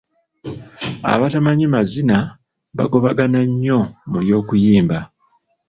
Abatamanyi mazina baabagobanga nnyo mu by’okuyimba.